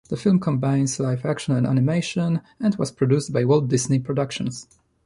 The film combines live-action and animation, and was produced by Walt Disney Productions.